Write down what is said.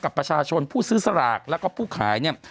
กับประชาชนผู้ซื้อสลากแล้วก็ผู้ขายเนี่ย